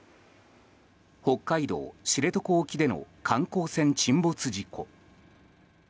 北海道知床沖での観光船沈没事故。